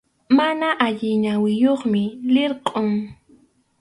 Mana allin ñawiyuqmi, lirqʼum.